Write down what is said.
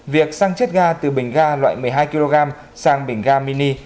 việc sang chiết gà từ bình ga loại một mươi hai kg sang bình ga mini